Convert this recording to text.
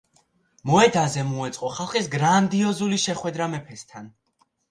მოედანზე მოეწყო ხალხის გრანდიოზული შეხვედრა მეფესთან.